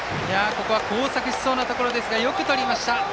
ここは交錯しそうなところですがよくとりました。